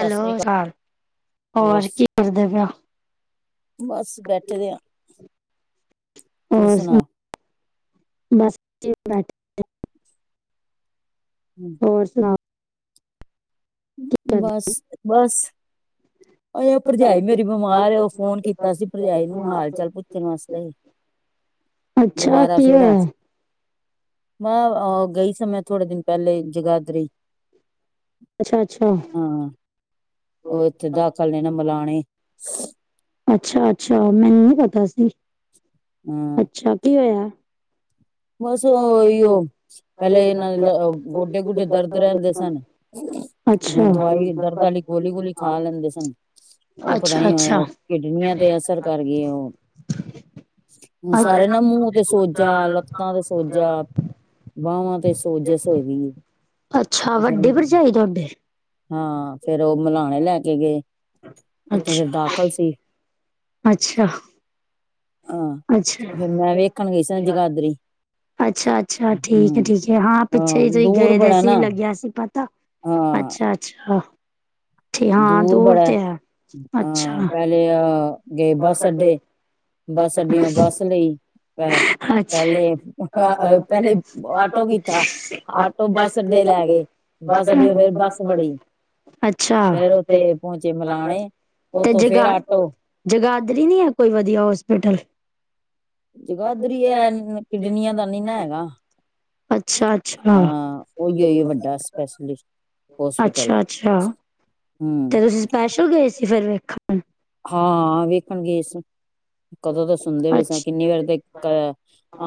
ਸਤਿ ਸ੍ਰੀ ਅਕਾਲ ਹੋਰ ਕੀ ਕਰਦੇ ਪਇਓ? ਬਸ ਬੈਠੇ ਦੇ ਹਾਂ। ਹੋਰ ਸ, ਬਸ ਬੈਠੇ। ਹੂੰ। ਹੋਰ ਸੁਣਾ। ਬਸ, ਬਸ। ਅ ਉਹ ਭਰਜਾਈ ਮੇਰੀ ਬਿਮਾਰ ਹੈ ਉਹ ਫੋਨ ਕੀਤਾ ਸੀ ਭਰਜਾਈ ਨੂੰ ਹਾਲ ਚਾਲ ਪੁੱਛਣ ਵਾਸਤੇ। ਅੱਛਾ, ਦੁਬਾਰਾ ਕੀ ਫੇਰ ਹੋਇਆ? ਮੈਂ ਗਈ ਸੀ ਮੈਂ ਥੋੜੇ ਦਿਨ ਪਹਿਲੇ ਜਗਰਾ ਅੱਛਾ-ਅੱਛਾ। ਹਾਂ, ਉਹ ਇੱਥੇ ਦਾਖਲ ਨੇ ਨਾ ਮਲਾਣੇ। ਅੱਛਾ-ਅੱਛਾ, ਮੈਨੂੰ ਨੀ ਪਤਾ ਸੀ। ਹਾਂ ਅੱਛਾ, ਕੀ ਹੋਇਆ? ਬਸ ਓਹੀਓ ਪਹਿਲੇ ਇਹਨਾਂ ਦੇ ਗੋਡੇ ਗੋਡੇ ਦਰਦ ਰਹਿੰਦੇ ਸਨ। ਉਹ ਅੱਛਾ ਦਵਾਈ ਦਰਦ ਵਾਲੀ ਗੋਲੀ ਗੋਲੀ ਖਾ ਲੈਂਦੇ ਸਨ। ਉਹ ਪਤਾ ਅੱਛਾ ਨੀ ਅੱਛਾ ਉਹ ਕਿਡਨੀਆਂ ਤੇ ਅਸਰ ਕਰ ਗੲੀ ਆ ਉਹ। ਹੁਣ ਸਾਰੇ ਨਾ ਮੂੰਹ ਤੇ ਸੋਜਾ ਲੱਤਾਂ ਤੇ ਸੋਜਾ, ਵਾਹਵਾਂ ਤੇ ਸੋਜਸ ਹੈਗੀ ਆ। ਅੱਛਾ, ਵੱਡੀ ਭਰਜਾਈ ਤੁਹਾਡੇ। ਹਾਂ, ਫੇਰ ਉਹ ਮਲਾਣੇ ਲੈ ਕੇ ਗਏ, ਉੱਥੇ ਫਿਰ ਅੱਛਾ ਦਾਖ਼ਲ ਸੀ। ਅੱਛਾ। ਹਾਂ, ਅੱਛਾ ਫੇਰ ਮੈਂ ਵੇਖਣ ਗਈ ਸੀ ਜਗਾਦਰੀ। ਅੱਛਾ-ਅੱਛਾ, ਠੀਕ ਹੈ ਹੂੰ ਠੀਕ ਹੈ ਹਾਂ ਪਿੱਛੇ ਹੀ ਤੁਸੀਂ ਦੂਰ ਗਏ ਤੇ ਬੜਾ ਸੀ ਨਾ ਲੱਗਿਆ ਸੀ ਪਤਾ। ਹਾਂ। ਅੱਛਾ-ਅੱਛਾ। ਹਾਂ, ਦੂਰ ਤੇ ਹੈ, ਅ ਅੱਛਾ। ਪਹਿਲੇ ਅ ਗਏ ਬੱਸ ਅੱਛਾ ਅੱਡੇ ਬੱਸ ਅੱਡਿਓ ਬੱਸ ਲਈ ਪ ਪਹਿਲੇ ਪਹਿਲੇ ਆਟੋ ਕੀਤਾ ਆਟੋ ਬੱਸ ਅੱਡੇ ਲੈ ਗਏ ਬੱਸ ਅੱਡਿਓ ਫੇਰ ਬੱਸ ਫੜੀ [unintelligible] [unintelligible] ਫੇਰ ਅੱਛਾ, ਉੱਥੇ ਪਹੁੰਚੇ ਮਿਲਾਣੇ ਤੇ ਉੱਥੋਂ ਜਗਾ ਫੇਰ ਆਟੋ ਜਗਾਧਰੀ ਨੀ ਹੈ ਕੋਈ ਵਧੀਆ ਹੋਸਪਿਟਲ ਜਗਾਧਰੀ ਹੈ ਦੁਨੀਆਂ ਨੀ ਦਾ ਨੀ ਨਾ ਹੈਗਾ, ਅੱਛਾ ਅੱਛਾ ਹਾਂ ਉਹੀ, ਉਹੀ ਵੱਡਾ ਸਪੈਸ਼ਲਿਸਟ ਹੋਸਪਿਟਲ ਅੱਛਾ ਹੈ, ਅੱਛਾ ਹਮ ਤੇ ਤੁਸੀਂ ਸਪੈਸ਼ਲ ਗਏ ਸੀ ਫਿਰ ਵੇਖਣ ਹਾਂ ਵੇਖਣ ਗਏ ਸੀ, ਕਦੋਂ ਤਾਂ ਸੁਣਦੇ ਪਏ ਸੀ ਅੱਛਾ ਕਿੰਨੀ ਵਾਰ ਤੇ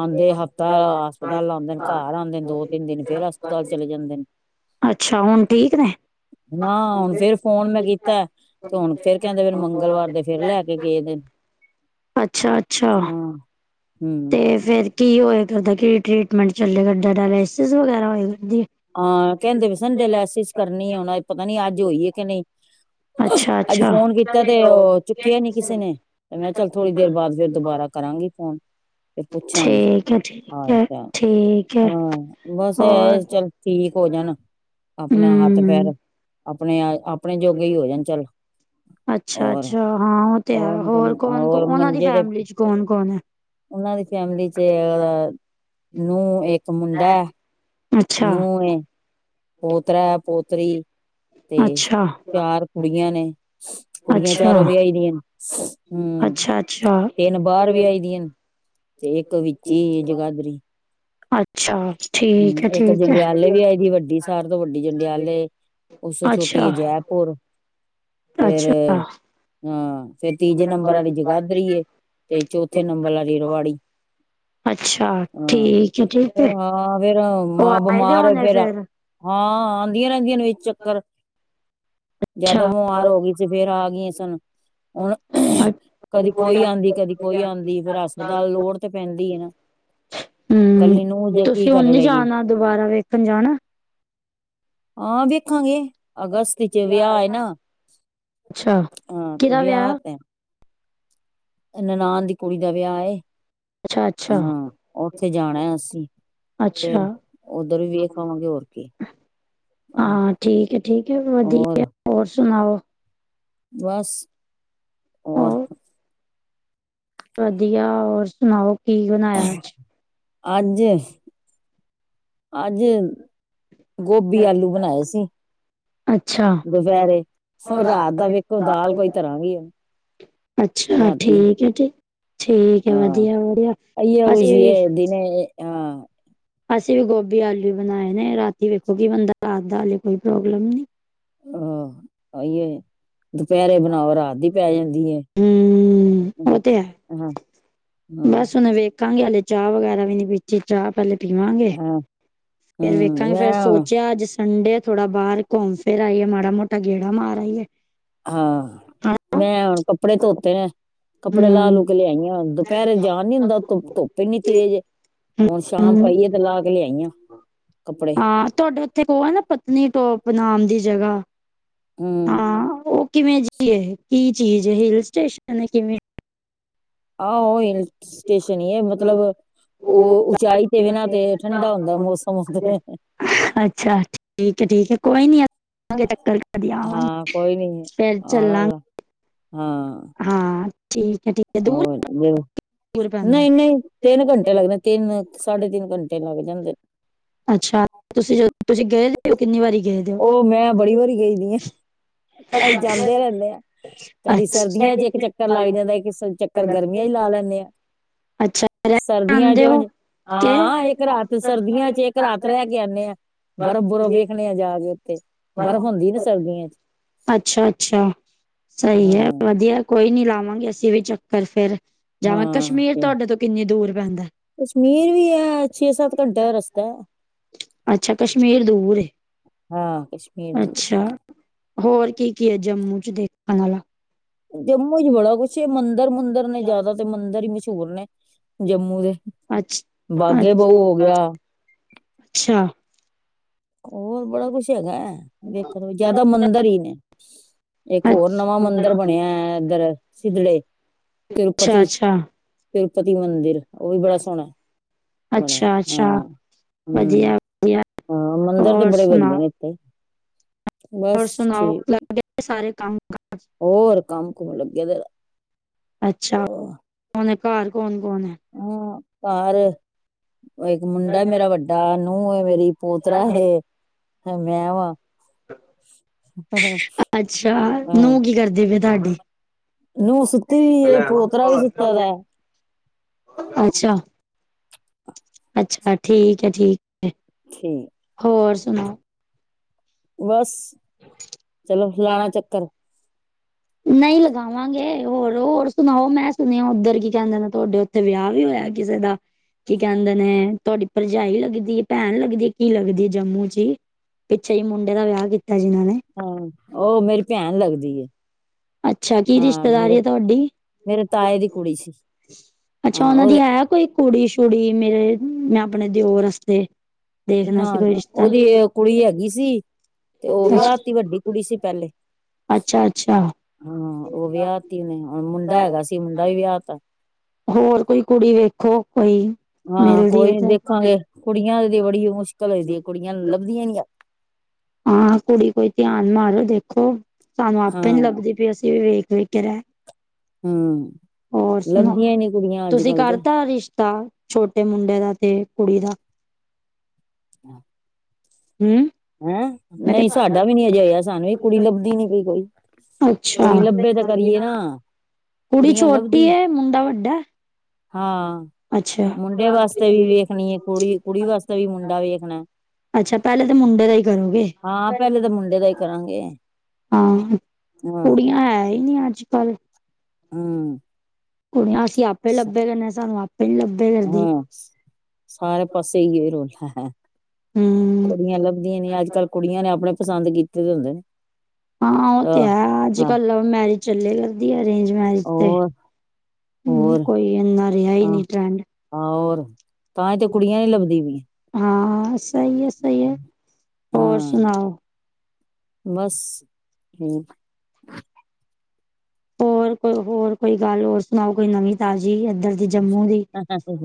ਆਉਂਦੇ ਹਫ਼ਤਾ ਹਸਪਤਾਲ ਲਾਉਂਦੇ ਨੇ ਘਰ ਆਉਂਦੇ ਨੇ ਦੋ- ਤਿੰਨ ਦਿਨ ਫੇਰ ਹਸਪਤਾਲ ਚਲੇ ਜਾਂਦੇ ਨੇ ਅੱਛਾ, ਹੁਣ ਠੀਕ ਨੇ ਨਾ ਹੁਣ ਫਿਰ ਫੋਨ ਮੈਂ ਕੀਤਾ, ਤੇ ਹੁਣ ਫੇਰ ਕਹਿੰਦੇ ਫਿਰ ਮੰ ਮੰਗਲਵਾਰ ਦੇ ਫਿਰ ਲੈ ਕੇ ਗਏ ਨੇ। ਅੱਛਾ, ਅੱਛਾ ਹਮ ਤੇ ਫਿਰ। ਕੀ ਹੋਇਆ ਕਰਦਾ ਕੀ ਟ੍ਰਰੀਟਮੈਂਟ ਚੱਲਿਆ ਕਰਦਾ ਡਾਇਲੈਸਿਸ ਵਗੈਰਾ ਹੋਇਆ ਕਰਦੀ। ਹਾਂ ਕਹਿੰਦੇ ਵੀ ਸਨ ਡਾਇਲੈਸਿਸ ਕਰਨੀ ਆ, ਪਤਾ ਨੀ ਅੱਜ ਹੋਈ ਹੈ ਕਿ ਨਹੀਂ। ਅੱਛਾ ਅੱਜ ਅੱਛਾ। ਫੋਨ ਠੀਕ ਕੀਤਾ ਤੇ ਉਹ ਚੁੱਕਿਆ ਨੀ ਕਿਸੇ ਨੇ, ਤੇ ਮੈਂ ਕਿਹਾ ਚੱਲ ਥੋੜੀ ਦੇਰ ਬਾਅਦ ਫਿਰ ਦੁਬਾਰਾ। ਕਰਾਂਗੀ ਫੋਨ। ਤੇ ਪੁੱਛਾਂਗੀ, ਹੈ ਠੀਕ ਹ ਹੈ ਚ ਠੀਕ ਹੈ ਹਾਂ ਬਸ ਹੋਰ ਇਹ ਚੱਲ। ਠੀਕ ਹੋ ਜਾਣ, ਆਪਣਾ ਹੱਥ ਹੂੰ ਪੈਰ ਆਪਣੇ, ਆਪਣੇ ਜੋਗੇ ਹੀ ਹੋ ਜਾਣ ਚੱਲ। ਅੱਛਾ, ਔਰ ਅੱਛਾ ਹਾਂ ਉਹ ਤੇ ਹੈ ਹੋਰ ਔਰ ਕੌਣ ਔਰ ਉਹਨਾਂ ਦੀ ਮੰਜੇ ਦੇ ਫੈਮਿਲੀ 'ਚ ਕੌਣ -ਕੌਣ ਹੈ। ਉਹਨਾਂ ਦੀ ਫੈਮਿਲੀ 'ਚ ਨੂੰਹ ਇੱਕ ਮੁੰਡਾ। ਅੱਛਾ ਨੂੰਹ ਵੇ। ਪੋਤਰਾ, ਪੋਤਰੀ ਤੇ ਅੱਛਾ ਚਾਰ ਕੁੜੀਆਂ ਨੇ। ਕੁੜੀਆਂ ਅੱਛਾ ਚਾਰੋਂ ਵਿਆਹੀ ਦੀਆਂ, ਹਮ ਅੱਛਾ ਅੱਛਾ। ਤਿੰਨ ਬਾਹਰ ਵਿਆਹੀ ਦੀਆਂ ਨੇ। ਤੇ ਇੱਕ ਵਿੱਚੇ ਹੀ ਜਗਾਧਰੀ ਅੱਛਾ ਹਮ ਠੀਕ ਹੈ ਇੱਕ ਠੀਕ ਹੈ। ਜੰਡਿਆਲੇ ਵੀ ਆਏ ਦੀ ਵੱਡੀ ਸਾਰਿਆ ਤੋਂ ਵੱਡੀ ਜੰਡਿਆਲੇ ਉਸ ਤੋਂ ਛੋਟੀ ਅੱਛਾ ਜੈਪੁਰ ਫੇਰ ਅੱਛਾ ਹਾਂ, ਫੇਰ ਤੀਜੇ ਨੰਬਰ ਵਾਲੀ ਜਗਾਧਰੀ ਏ ਤੇ ਚੌਥੇ ਨੰਬਰ ਵਾਲੀ ਰਿਵਾੜੀ ਅੱਛਾ, ਠੀਕ ਹੈ ਠੀਕ ਫੇਰ ਹੈ ਹਾਂ ਫੇਰ ਉਹ ਮਾਂ ਆਏ ਦੇ ਬਿਮਾਰ ਹੋਣੇ ਫਿਰ, ਫੇਰ ਹਾਂ ਆਉਂਦੀਆਂ ਰਹਿੰਦੀਆਂ ਨੇ ਵਿੱਚ ਚੱਕਰ ਅੱਛਾ। ਜਿਆਦਾ ਬਿਮਾਰ ਹੋ ਗਈ ਤੇ ਫਿਰ ਆ ਗਈਆਂ ਸਨ ਹੁਣ ਅੱਛਾ [inaudible] ਕਦੀ ਕੋਈ ਆਉਂਦੀ, ਕਦੀ ਕੋਈ ਆਉਂਦੀ ਫਿਰ ਹਸਪਤਾਲ ਲੋੜ ਤੇ ਪੈਂਦੀ ਨਾ ਹਮ, ਕੱਲੀ ਨੂੰਹ ਜੇ ਕੀ ਤੁਸੀਂ ਕਰ ਹੁਣ ਨੀ ਲਏਗੀ ਜਾਣਾ, ਦੁਬਾਰਾ ਵੇਖਣ ਜਾਣਾ ਹਾਂ ਦੇਖਾਂਗੇ, ਅਗਸਤ 'ਚ ਵਿਆਹ ਹੈ ਨਾ ਅੱਛਾ, ਹਾਂ, ਵਿਆਹ ਤੇ ਨਨਾਣ ਦੀ ਕੁੜੀ ਦਾ ਵਿਆਹ ਏ, ਅੱਛਾ, ਅੱਛਾ, ਹਾਂ, ਉੱਥੇ ਜਾਣਾ ਅਸੀਂ ਫੇਰ, ਅੱਛਾ। ਉੱਧਰ ਵੀ ਵੇਖ ਆਵਾਂਗੇ ਹੋਰ ਕੀ ਹਾਂ ਠੀਕ ਹੈ ਠੀਕ ਹੈ ਹੋਰ ਵਧੀਆ ਹੋਰ ਸੁਣਾਓ ਬਸ, ਹੋਰ ਵਧੀਆ, ਹੋਰ ਸੁਣਾਓ ਕੀ ਬਣਾਇਆ ਅੱਜ ਅੱਜ ਅੱਜ, ਗੋਭੀ ਆਲੂ ਬਣਾਏ ਸੀ ਅੱਛਾ, ਦੁਪਹਿਰੇ, ਹੋਰ ਰਾਤ ਦਾ ਵੇਖੋ ਦਾਲ ਕੋਈ ਧਰ੍ਹਾਂ ਗਏ ਅੱਛਾ, ਠੀਕ 'ਚ ਠੀਕ ਆ, ਹਾਂ ਵਧੀਆ, ਵਧੀਆ ਅਈਓ ਕੁਛ ਈ ਅਸੀਂ ਏ ਦਿਨੇ ਹਾਂ ਅਸੀਂ ਵੀ ਗੋਭੀ ਆਲੂ ਬਣਾਏ ਨੇ, ਰਾਤੀ ਵੇਖੋ ਕਿ ਬਣਦਾ ਰਾਤ ਦਾ ਹਜੇ ਕੋਈ ਪ੍ਰੋਗਰਾਮ ਨਹੀਂ ਹਾਂ ਹੀ ਦੁਪਹਿਰੇ ਬਣਾਓ ਰਾਤ ਦੀ ਪੈ ਜਾਂਦੀ। ਹੂੰ, ਉਹ ਤੇ ਹੈ ਹਮ। ਬਸ ਹੁਨ ਵੇਖਾਂਗੇ ਹਲੇ ਚਾਹ ਵਗੈਰਾ ਵੀ ਨੀ ਪੀਚ ਚਾਹ ਪਹਿਲੇ ਪੀਵਾਂਗੇ। [inaudible] ਹੂੰ ਫਿਰ ਵੇਖਾਂਗੇ ਫੇਰ ਮੈਂ ਸੋਚਿਆ ਜਿਸ ਸਨਠਡੇ ਆ ਥੋੜਾ ਬਾਹਰ ਘੁੰਮ ਫਿਰ ਆਈਏ ਮਾੜਾ ਮੋਟਾ ਗੇੜਾ ਮਾਰ ਆਈਏ। ਹਾਂ ਮੈਂ ਹੁਣ ਕੱਪੜੇ ਧੋਤੇ ਨੇ। ਕੱਪੜੇ ਹੂੰ, ਲਾ ਲੂ ਕੇ ਲਿਆਈਆਂ ਦੁਪਹਿਰੇ ਜਾਣ ਨੀ ਹੁੰਦਾ ਧ ਧੁੱਪ ਹੀ ਨੀ ਤੇਜ਼। ਹੁਣ ਸ਼ਾਮ ਹੂੰ। ਪਾਈਏ ਤੇ ਲਾ ਕੇ ਲਿਆਈ ਆ ਕੱਪੜੇ। ਹਾਂ ਤੁਹਾਡੇ ਓਹ ਨਾ ਪਤਨੀ ਟੋਪ ਨਾਮ ਦੀ ਜਗ੍ਹਾ ਹਮ ਹਾਂ ਉਹ ਕਿਵੇਂ ਜੀ ਹੈ ਕੀ ਚੀਜ਼ ਹੈ ਹਿਲ ਸਟੇਸ਼ਨ ਕਿਵੇਂ ਆਹੋ ਉਹ ਹਲ ਸਟੇਸ਼ਨ ਹੀ ਹੈ ਮਤਲਬ ਉਹ ਉਚਾਈ ਤੇ ਬਿਨਾਂ ਤੇ ਠੰਡਾ ਹੁੰਦਾ ਮੌਸਮ ਅੱਛਾ ਅੱਛਾ ਠੀਕ ਹੈ ਠੀਕ ਹੈ ਕੋਈ ਨੀ ਆਗੇ ਚੱਕਰ ਕਰਦੀ ਹਾਂ ਆਵਾਂਗੇ ਕੋਈ ਨਹੀਂ ਫਿਰ ਆਣਾ ਲਾ- ਚੱਲਾਂਗੇ ਹਾਂ ਹਾਂ ਠੀਕ ਹੈ ਠੀਕ ਹੈ ਦੂਰ ਉਹ ਦੂਰ ਪੈਂਦਾ ਨਹੀਂ ਨਹੀਂ ਤਿੰਨ ਘੰਟੇ ਲੱਗਣੇ ਤਿੰਨ ਸਾਢੇ ਤਿੰਨ ਘੰਟੇ ਲੱਗ ਜਾਂਦੇ ਅੱਛਾ ਤੁਸੀਂ ਜਦੋਂ ਤੁਸੀਂ ਗਏ ਰਿਹਾ ਹੋ ਕਿੰਨੀ ਵਾਰੀ ਗਏ ਦੇ ਹੋ? ਉਹ ਮੈਂ ਬੜੀ ਵਾਰੀ ਗਈਦੀ ਆ ਅਸੀਂ ਜਾਂਦੇ ਰਹਿੰਦੇ ਆ। ਕਦੀ ਅੱਛਾ, ਸਰਦੀਆਂ ਚ ਇੱਕ ਚੱਕਰ ਲੱਗ ਜਾਂਦਾ ਇੱਕ ਚੱਕਰ ਗਰਮੀਆਂ ਚ ਲਾ ਲੈਂਦੇ ਆ। ਅੱਛਾ ਸਰਦੀਆਂ ਆਂਦੇ ਹੋ ਚ ਕੇ ਹਾਂ ਇੱਕ ਰਾਤ ਸਰਦੀਆਂ ਚ ਇੱਕ ਘ ਰਾਤ ਰਹਿ ਕੇ ਆਉਂਦੇ ਹਾਂ ਬਰਫ਼ ਬੁਰਫ਼ ਵੇਖਣੇ ਆ ਜਾ ਕੇ ਉੱਥਤੇ ਬਰਫ਼ ਹੁੰਦੀ ਨਾ ਸਰਦੀਆਂ ਚ। ਅੱਛਾ ਅੱਛਾ ਸਹੀ ਹੈ ਹਾਂ ਵਧੀਆ ਕੋਈ ਨੀ ਲਾਵਾਂਗੇ ਅਸੀਂ ਵੀ ਚੱਕਰ ਫੇਰ ਜਾਵਾਂ ਹਾਂ ਕਸ਼ਮੀਰ ਤੇ ਤੁਹਾਡੇ ਤੋਂ ਕਿੰਨੀ ਦੂਰ ਪੈਂਦਾ। ਕਸ਼ਮੀਰ ਵੀ ਹੈ ਛੇ ਸੱਤ ਘੰਟੇ ਦਾ ਰਸਤਾ ਹੈ। ਅੱਛਾ ਕਸ਼ਮੀਰ ਦੂਰ ਏ ਹਾਂ ਕਸ਼ਮੀਰ ਦੂਰ ਅੱਛਾ। ਹੋਰ ਕੀ ਕੀ ਹੈ ਜੰਮੂ ਚ ਦੇਖਣ ਵਾਲਾ? ਜੰਮੂ ਚ ਬੜਾ ਕੁਛ ਮੰਦਰਿਰ ਮੁੰਦਰ ਨੇ ਜ਼ਿਆਦਾ ਤੇ ਮੰਦਿਰ ਹੀ ਮਸ਼ਹੂਰ ਨੇ। ਜੰਮੂ ਦੇ ਅੱਛ ਬਾਗੇ ਬਹੁ ਹੋ ਗਿਆ। ਅੱਛਾ। ਹੋਰ ਬੜਾ ਕੁਛ ਹੈਗਾ ਹੈ ਵਖਨ ਨੂੰ, ਜਿਆਦਾ ਮੰਦਿਰ ਹੀ ਨੇ। ਇੱਕ ਹੋਰ ਅੱਛਾ ਨਵਾਂ ਮੰਦਿਰ ਬਣਿਆ ਇੱਧਰ ਸਿਦੜੇ ਤਰਪਤੀ ਅੱਛਾ ਤਿਰੂਪਤੀ ਮੰਦਿਰ ਉਹ ਵੀ ਬੜਾ ਸੋਹਣਾ ਅੱਛਾ ਬਣਿਆ ਅੱਛਾ ਹਾਂ ਵਧੀਆ ਹਮ। ਵਧੀਆ ਹਾਂ ਮੰਦਿਰ ਤੇ ਹੋਰ ਬੜੇ ਸੁਣਾਓ ਵਧੀਆ ਨੇ ਇੱਥੇ। ਹੋਰ ਬਸ ਸੁਣਾਓ ਠੀਕ ਲੱ ਸਾਰੇ ਕੰਮ ਕਾਜ। ਹੋਰ ਕੰਮ ਕੁਮ ਲੱਗੇ ਦੇ ਆ ਅੱਛਾ ਹੁਣ ਘਰ ਕੌਣ ਕੌਣ ਹੈ ਹਮ ਘਰ ਉਹ ਇੱਕ ਮੁੰਡਾ ਮੇਰਾ ਵੱਡਾ ਨੂੰਹ ਮੇਰੀ ਪੋਤਰਾ ਹੈ। ਹ ਮੈਂ ਵਾਂ ਅੱਛਾ ਹਾਂ ਨੂੰਹ ਕੀ ਕਰਦੀ ਪਇ ਤੁਹਾਡੀ ਨੂੰਹ ਸੁੱਤੀ ਵੀਈ ਏ ਪੋਤਰਾ ਵੀ ਸੁੱਤਾ ਦਾ। ਅੱਛਾ ਅੱਛਾ ਠੀਕ ਹੈ ਠੀਕ। ਠੀਕ ਹੋਰ ਸੁਣਾਓ? ਬਸ ਚਲੋ ਲਾਣਾ ਚੱਕਰ। ਨਹੀ ਲਗਾ ਆਵਾਂਗੇ ਹੋਰ, ਹੋਰ ਸੁਣਾਓ ਮੈਂ ਸੁਣਿਆ ਉੱਧਰ ਕੀ ਕਹਿੰਦੇ ਨੇ ਤੁਹਾਡੇ ਉੱਥੇ ਵਿਆਹ ਵੀ ਹੋਇਆ ਕਿਸੇ ਦਾ। ਕੀ ਕਹਿੰਦੇ ਨੇ ਤੁਹਾਡੀ ਭਰਜਾਈ ਲੱਗਦੀ ਏ, ਭੈਣ ਲੱਗਦੀ ਏ, ਕੀ ਲੱਗਦੀ ਹੈ ਜੰਮੂ ਚ। ਪਿੱਛੇ ਜੇ ਮੁੰਡੇ ਦਾ ਵਿਆਹ ਕੀਤਾ ਜਿਨ੍ਹਾਂ ਨੇ। ਹੂੰ ਉਹ ਮੇਰੀ ਭੈਣ ਲੱਗਦੀ ਏ। ਅੱਛਾ ਕੀ ਹਾਂ ਮੇਰੇ, ਰਿਸ਼ਤੇਦਾਰੀ ਹੈ ਤੁਹਾਡੀ ਮੇਰੇ ਤਾਏ ਦੀ ਕੁੜੀ ਸੀ। ਅੱਛਾ ਹਾਂ ਉਹਨਾਂ ਦੀ ਉਹਦੇ ਹੈ ਕੋਈ ਕੁੜੀ ਸ਼ੁੜੀ ਮੇਰੇ ਮੈਂ ਆਪਣੇ ਦਿਓਰ ਵਸਤੇ। ਨਾ-ਨਾ ਉਹਦੀ ਕੁੜੀ ਹੈਗੀ ਸੀ ਤੇ ਉਹ ਵਿਆਹ ਤੀ ਵੱਡੀ ਕੁੜੀ ਸੀ ਪਹਿਲੇ। ਅੱਛਾ ਅੱਛਾ ਹੂੰ ਉਹ ਵਿਆਹ ਤੀ ਉਹਨੇ ਮੁੰਡਾ ਹੈਗਾ ਸੀ ਮੁੰਡਾ ਵੀ ਵਿਆਹ ਤਾ। ਹੋਰ ਕੋਈ ਕੁੜੀ ਵੇਖੋ ਕੋਈ ਹਾਂ ਮਿਲਦੀ ਕੋਈ ਏ ਨੀ ਤੇ। ਦੇਖਾਂਗੇ ਕੁੜੀਆਂ ਦੀ ਤੇ ਬੜੀ ਮੁਸ਼ਕਿਲ ਹੋਈ ਦੀ ਹੈ ਕੁੜੀਆਂ ਲੱਭਦੀਆਂ ਨੀਆਂ। ਹਾਂ ਕੁੜੀ ਕੋਈ ਧਿਆਨ ਮਾਰੋ ਦੇਖੋ ਸਾਨੂੰ ਆਪੇ ਨੀ ਹਾਂ ਲੱਭਦੀ ਵੀ ਅਸੀਂ ਵੀ ਵੇਖ-ਵੇਖ ਕਿ ਹਮ ਹੋਰ ਸੁਣਾਓ ਲੱਭਦੀਆਂ ਹੀ ਨੀ ਕੁੜੀਆਂ ਅੱਜ ਤੁਸੀਂ ਕੱਲ ਤੇ ਕਰਤਾ ਰਿਸ਼ਤਾ? ਛੋਟੇ ਮੁੰਡੇ ਦਾ ਤੇ ਕੁੜੀ ਦਾ। ਹਾਂ। ਹਮ। ਹੈਂ ਨਹੀਂ ਸਾਡਾ ਵੀ ਨੀ ਹਜੇ ਹੋਇਆ ਸਾਨੂੰ ਵੀ ਕੁੜੀ ਲੱਭਦੀ ਨੀ ਪਈ ਕੋਈ। ਅੱਛਾ ਕੁੜੀ ਲੱਭੇ ਤੇ ਕਰੀਏ ਨਾ। ਕੁੜੀ ਕੁੜੀਆਂ ਛੋਟੀ ਲੱਭਦੀਆਂ ਹੈਏ ਮੁੰਡਾ ਵੱਡਾ। ਹਾਂ ਅੱਛਾ ਮੁੰਡੇ ਵਾਸਤੇ ਵੀ ਵੇਖਣੀ ਹੈ ਕੁੜੀ, ਕੁੜੀ ਵਾਸਤੇ ਵੀ ਮੁੰਡਾ ਵੇਖਣਾ। ਅੱਛਾ ਪਹਿਲੇ ਤਾਂ ਮੁੰਡੇ ਦਾ ਹੀ ਕਰੋਗੇ। ਹਾਂ ਪਹਿਲੇ ਤਾਂ ਮੁੰਡੇ ਦਾ ਹੀ ਕਰਾਂਗੇ ਹਾਂ ਹਾਂ ਕੁੜੀਆਂ ਹੈ ਹੀ ਨਹੀਂ ਅੱਜ ਕੱਲ। ਹਮ। ਕੁੜੀਆਂ ਅਸੀ ਆਪੇ ਲੱਭਦੇ ਰਹੇ ਨੇ ਸਾਨੂੰ ਆਪੇ ਨੀ ਲੱਭ ਹੂੰ ਸਾਰੇ ਪਾਸੇ ਓਹੀਓ ਹੀ ਰੋਲਾ। ਕੁੜੀਆਂ ਹੂੰ ਲੱਭਦੀਆਂ ਨੇ ਅੱਜ ਕੱਲ ਕੁੜੀਆਂ ਨੇ ਆਪੇ ਪਸੰਦ ਕੀਤੇ ਦੇ ਹੁੰਦੇ ਨੇ। ਹਾਂ ਉਹ ਤੇ ਹੈ ਅੱਜ ਹਾਂ ਕੱਲ ਲਵ ਮੈਰਿਜ ਚੱਲੇ ਲਗਦੀ ਏ, ਅਰੇਂਜ ਮੈਰਿਜ ਤੇ ਔਰ ਹੂੰ ਹੋਰ ਕੋਈ ਇੰਨਾ ਰਿਹਾ ਹੀ ਨਹੀਂ ਟਰੈਂਡ। ਤਾਂਈ ਤੇ ਕੁੜੀਆਂ ਨੀ ਲੱਭਦੀ ਪਈਆਂ। ਹਾਂ ਸਹੀ ਏ, ਸਹੀ ਏ ਹੋਰ ਹਾਂ ਸੁਣਾਓ। ਬਸ [unintelligible] ਹੋਰ ਕੋਈ ਹੋਰ ਕੋਈ ਗੱਲ ਹੋਰ ਸੁਣਾਓ ਕੋਈ ਨਵੀਂ ਤਾਜ਼ੀ ਇੱਧਰ ਦੀ ਜੰਮੂ ਦੀ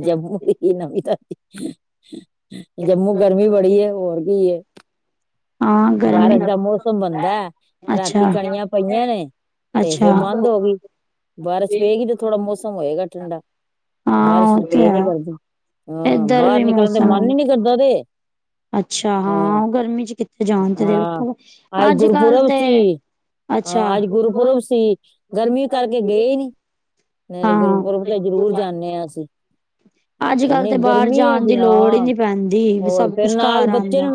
ਜੰਮੂ ਵੀ ਕੀ ਨਵੀ ਤਾਜੀ। ਜੰਮੂ ਗਰਮੀ ਬੜੀ ਏ ਹੋਰ ਕੀ ਏ। ਹਾਂ ਗਰਮੀ ਬਾਰਿਸ਼ ਦਾ ਮੌਸਮ ਬਣਦਾ ਰਾਤੀ ਅੱਛਾ ਕਣੀਆਂ ਪਈਆਂ ਨੇ। ਤੇ ਫੇਰ ਅੱਛਾ ਬੰਦ ਹੋ ਗਈ, ਬਾਰਿਸ਼ ਪਏਗੀ ਤੇ ਥੋੜਾ ਮੌਸਮ ਹੋਏਗਾ ਠੰਡਾ। ਹਾਂ ਬਾਰਿਸ਼ ਨੂੰ ਉਹ ਤੇ ਪਈ ਨੀ ਹੈ ਕਰਦੀ ਹਾਂ ਇੱਧਰ ਬਾਹਰ ਵੀ ਨਿਕਲਣ ਦਾ ਮਨ ਮੌਸਮ ਨੀ ਕਰਦਾ ਤੇ। ਅੱਛਾ ਹਾਂ ਉਹ ਗਰਮੀ ਚ ਕਿੱਥੇ ਜਾਣ ਤੇ ਦਿਲ ਹਾਂ ਅੱਜ ਕੱਲ ਗੁਰਪੁਰਬ ਤੇ ਸੀ ਅੱਛਾ ਹਾਂ ਅੱਜ ਗੁਰਪੁਰਬ ਸੀ ਗਰਮੀ ਕਰਕੇ ਗਏ ਨੀ। ਨਹੀਂ ਤੇ ਗੁਰਪੁਰਬ ਤੇ ਜ਼ਰੂਰ ਹਾਂ ਜਾਂਨੇ ਆ ਅਸੀ। [inaudible] ਅੱਜ ਕੱਲ੍ਹ ਤੇ ਬਾਰ ਜਾਣ ਦੀ ਲੋੜ ਹੀ ਹਾਂ ਨੀ ਪੈਂਦੀ ਹੋਰ ਸਭ ਕੁਛ ਘਾਰ ਆਉਂਦਾ।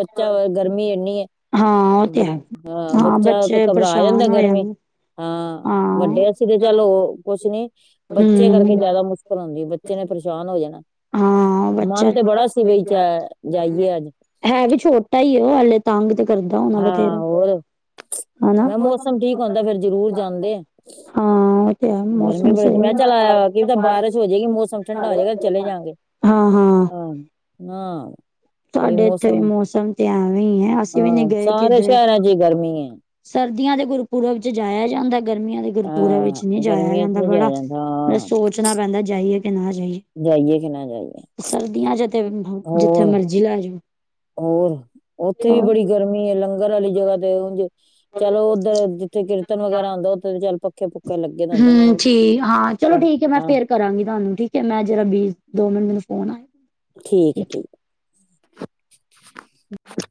ਉੱਤੋਂ ਗਰਮੀ ਏਨੀ ਏ। ਹਾਂ ਉਹ ਤੇ ਹੈ ਹਾਂ ਬੱਚਾ ਤੇ ਬੱਚੇ ਘਬਰਾ ਜਾਂਦਾ ਪਰੇਸ਼ਾਨ ਹੋ ਗਰਮੀ ਜਾਂਦੇ ਹਾਂ ਹਾਂ ਵੱਡੇ ਵਸਤੇ ਤੇ ਚੱਲ ਕੁਛ ਨੀ। ਬੱਚੇ ਕਰਕੇ ਹਮ ਜ਼ਿਆਦਾ ਮੁਸ਼ਕਿਲ ਹੁੰਦੀ ਬੱਚੇ ਨੇ ਪਰੇਸ਼ਾਨ ਹੋ ਜਾਣਾ ਹਾਂ ਏ। ਬੱਚਾ ਮਨ ਤੇ ਬੜਾ ਸੀ ਬਈ ਚ ਜਾਈਏ ਅੱਜ। ਹੈ ਵੀ ਛੋਟਾ ਈ ਏ ਨਾਲੇ ਤੰਗ ਤੇ ਕਰਦਾ ਹੋਣਾ ਹਾਂ ਬਥੇਰਾ। ਹੋਰ ਹਨਾ ਮੈਂ ਮੌਸਮ ਠੀਕ ਹੁੰਦਾ ਫਿਰ ਜ਼ਰੂਰ ਜਾਂਦੇ ਆ ਹਾਂ ਉਹ ਤੇ ਹੈ ਮੌਸਮ ਸਹੀ ਕੀ ਪਤਾ ਬਾਰਿਸ਼ ਹੋ ਜਾਏਗੀ, ਮੌਸਮ ਠੰਡਾ ਹੋ ਜਾਏਗਾ ਚਲੇ ਜਾਂਗੇ। ਹਾਂ ਹਾਂ ਹਾਂ-ਹਾਂ ਤੁਹਾਡੇ ਇੱਥੇ ਵੀ ਮੌਸਮ ਤੇ ਐਵੇਂ ਹੀ ਹੈ, ਅਸੀਂ ਵੀ ਨਹੀਂ ਗਏ। ਅਰੇ, ਕਿਧਰੇ ਸ਼ਹਿਰਾਂ ਇਚ ਵੀ ਗਰਮੀ ਏ ਸਰਦੀਆਂ ਦੇ ਗੁਰਪੁਰਬ 'ਚ ਜਾਇਆ ਜਾਂਦਾ, ਗਰਮੀਆਂ ਦੇ ਗੁਰਪੁਰਬ ਵਿੱਚ ਨਹੀਂ ਜਾਇਆ ਜਾਂਦਾ ਬੜਾ, ਮ ਸੋਚਣਾ ਪੈਂਦਾ ਜਾਈਏ ਕਿ ਨਾ ਜਾਈਏ। ਸਰਦੀਆਂ ਜ ਤੇ ਜਿੱਥੇ ਮਰਜ਼ੀ ਲੈ ਜਾਓ। ਹੋਰ ਉੱਥੇ ਵੀ ਬੜੀ ਹੋਰ ਗਰਮੀ ਹੈ, ਲੰਗਰ ਵਾਲੀ ਜਗ੍ਹਾ ਤੇ ਉਝ ਚਲੋ ਉੱਧਰ ਜਿੱਥੇ ਕੀਰਤਨ ਵਗੈਰਾ ਆਉਂਦਾ, ਉੱਥੇ ਚੱਲ ਪੱਖੇ ਪੁੱਖ ਹੂੰ ਠੀਕ ਹਾਂ, ਚਲੋ ਠੀਕ ਹੈ ਮੈਂ ਹਾਂ ਫੇਰ ਕਰਾਂਗੀ ਤੁਹਾਨੂੰ ਠੀਕ ਹੈ, ਮੈਂ ਜ਼ਰਾ ਬਿਜ਼ੀ, ਦੋ ਮਿੰਟ ਮੈਨੂ ਫੋਨ ਆਇਆ। ਠੀਕ ਏ ਠੀਕ ਏ।